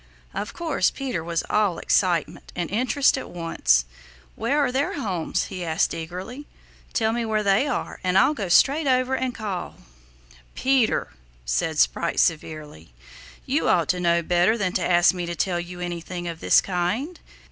Of course Peter was all excitement and interest at once. "Where are their homes?" he asked eagerly. "Tell me where they are and I'll go straight over and call." "Peter," said Sprite severely, "you ought to know better than to ask me to tell you anything of this kind.